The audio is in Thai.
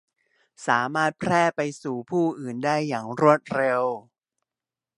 สามารถแพร่ไปสู่ผู้อื่นได้อย่างรวดเร็ว